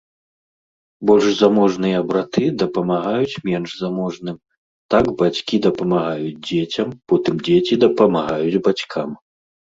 Больш заможныя браты дапамагаюць менш заможным, так бацькі дапамагаюць дзецям, потым дзеці дапамагаюць бацькам.